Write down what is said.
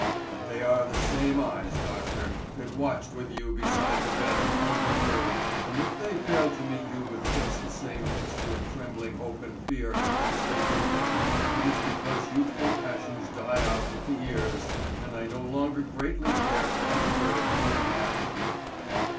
But they are the same eyes, doctor, that watched with you beside the bed of Huldah Earle and if they fail to meet you with just the same mixture of trembling hope and fear as they did then it is because youthful passions die out with the years and I no longer greatly care for any verdict you may have to give."